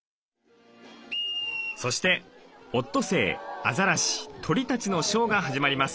そしてオットセイアザラシ鳥たちのショーが始まります。